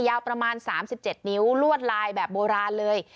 ยาวประมาณสามสิบเจ็ดนิ้วลวดลายแบบโบราณเลย